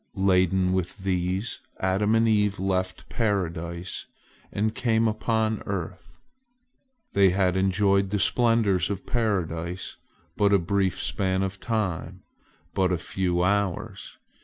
Laden with these, Adam and Eve left Paradise, and came upon earth. They had enjoyed the splendors of Paradise but a brief span of time—but a few hours.